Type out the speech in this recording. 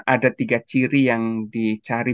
ada tiga ciri yang dicari